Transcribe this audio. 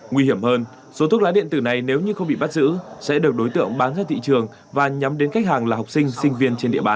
nguy hiểm hơn số thuốc lá điện tử này nếu như không bị bắt giữ sẽ được đối tượng bán ra thị trường và nhắm đến khách hàng là học sinh sinh viên trên địa bàn